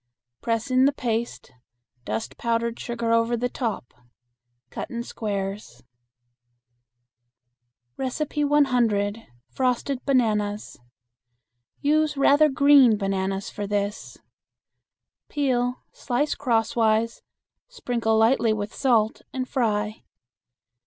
Press in the paste, dust powdered sugar over the top. Cut in squares. 100. Frosted Bananas. Use rather green bananas for this. Peel, slice crosswise, sprinkle lightly with salt and fry.